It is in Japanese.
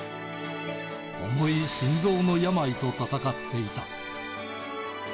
重い心臓の病と闘っていた。